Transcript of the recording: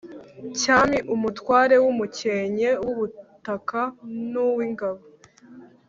cyami Umutware w’umukenke uwubutaka nuw’ingabo